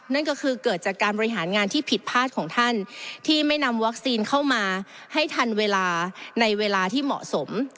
นั่นก็คือเกิดจากการบริหารงานที่ผิดพลาดของท่านที่ไม่นำวัคซีนเข้ามาให้ทันเวลาในเวลาที่เหมาะสม